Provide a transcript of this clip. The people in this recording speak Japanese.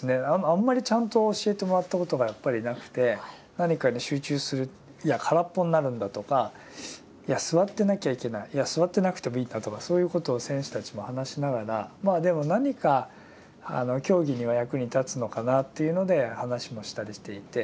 あんまりちゃんと教えてもらったことがやっぱりなくて何かに集中するいや空っぽになるんだとかいや坐ってなきゃいけないいや坐ってなくてもいいんだとかそういうことを選手たちも話しながらまあでも何か競技には役に立つのかなというので話もしたりしていて。